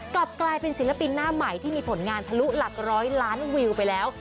กลับกลายเป็นศิลปินหน้าใหม่ที่มีผลงานทะลุหลักร้อยล้านวิวไปแล้ว